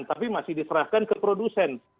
tapi masih diserahkan ke produsen